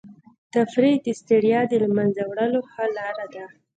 تفریح د ستړیا د له منځه وړلو ښه لاره ده.